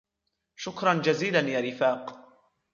شكرا جزيلا يا رفاق.